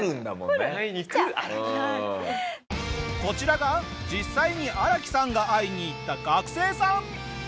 こちらが実際にアラキさんが会いに行った学生さん。